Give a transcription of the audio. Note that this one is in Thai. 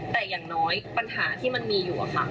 แต่อย่างน้อยปัญหาที่มันมีอยู่อะค่ะ